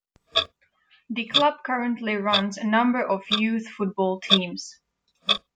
The Club currently runs a number of youth football teams.